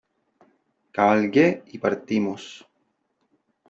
cabalgué y partimos .